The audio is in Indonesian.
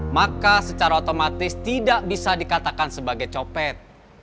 maka secara otomatis tidak bisa dikatakan sebagai copet